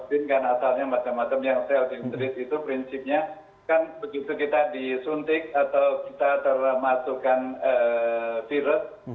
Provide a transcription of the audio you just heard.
ya jadi vaksin kan asalnya macam macam yang sel dendrit itu prinsipnya kan begitu kita disuntik atau kita termasukkan virus